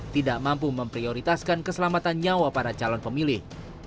tidak mampu memprioritaskan keselamatan nyawa para calon pemilih